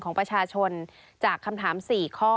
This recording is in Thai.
ของประชาชนจากคำถาม๔ข้อ